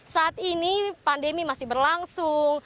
saat ini pandemi masih berlangsung